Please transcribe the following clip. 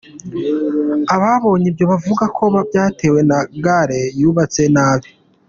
Ababonye ibyo bavuga ko byatewe na gare yubatse nabi.